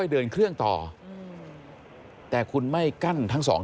ทางนิติกรหมู่บ้านแจ้งกับสำนักงานเขตประเวท